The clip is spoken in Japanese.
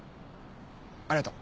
ありがとう。